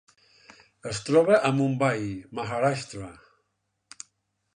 Es troba a Mumbai, Maharashtra.